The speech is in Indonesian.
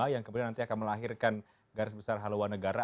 yang kemudian nanti akan melahirkan garis besar haluan negara